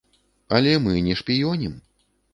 Але мы не шпіёнім!